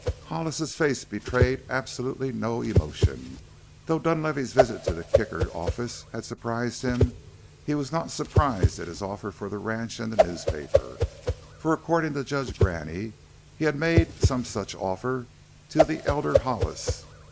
Hollis's face betrayed absolutely no emotion. Though Dunlavey's visit to the Kicker office had surprised him he was not surprised at his offer for the ranch and the newspaper, for according to Judge Graney he had made some such offer to the elder Hollis.